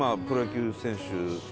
プロ野球選手。